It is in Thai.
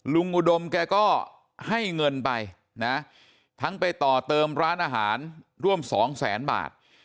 อุดมแกก็ให้เงินไปนะทั้งไปต่อเติมร้านอาหารร่วมสองแสนบาท